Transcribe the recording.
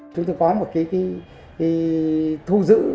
chúng tôi có một cái thu giữ